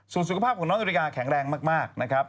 ส่วนสุขภาพของน้องนาฬิกาแข็งแรงมากนะครับ